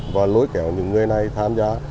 và lối kéo những người này tham gia